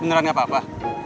beneran gak apa apa